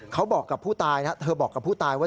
เขาบอกกับผู้ตายนะเธอบอกกับผู้ตายว่า